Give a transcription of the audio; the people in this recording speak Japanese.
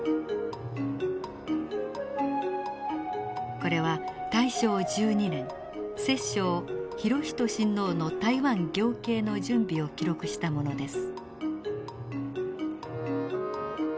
これは大正１２年摂政裕仁親王の台湾行啓の準備を記録したものです。